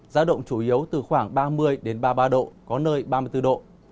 giá động chủ yếu từ khoảng ba mươi ba mươi ba độ có nơi ba mươi bốn độ